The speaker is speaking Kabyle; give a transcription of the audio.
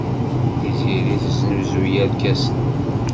Tiziri tesnuzuy irkasen.